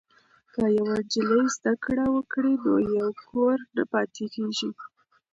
که یوه نجلۍ زده کړه وکړي نو یو کور نه پاتې کیږي.